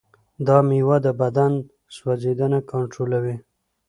دا مېوه د بدن سوځیدنه کنټرولوي.